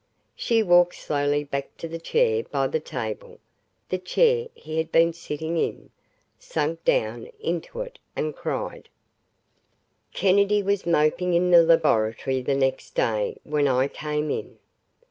She walked slowly back to the chair by the table the chair he had been sitting in sank down into it and cried. ........ Kennedy was moping in the laboratory the next day when I came in.